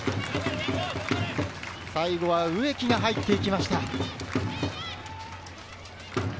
最後は植木が入っていきました。